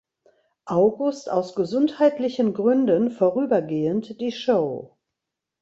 August aus gesundheitlichen Gründen vorübergehend die Show.